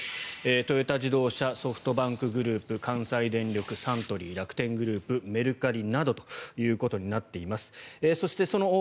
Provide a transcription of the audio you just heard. トヨタ自動車ソフトバンクグループ関西電力、サントリー楽天グループメルカリなどということになっています。